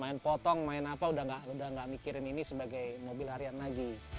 main potong main apa udah gak mikirin ini sebagai mobil harian lagi